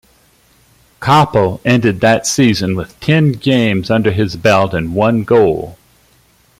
Coppell ended that season with ten games under his belt and one goal.